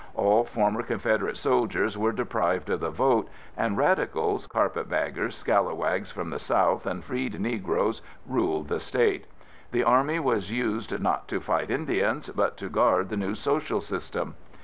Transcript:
All former Confederate soldiers were deprived of the vote, and radicals, carpetbaggers, scalawags from the South and freed Negroes ruled the State. The Army was used, not to fight Indians, but to guard the new social system.